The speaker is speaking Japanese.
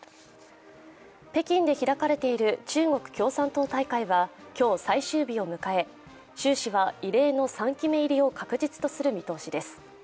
北京で開かれている中国共産党大会は今日最終日を迎え習氏は異例の３期目入りを確実とする見通しです。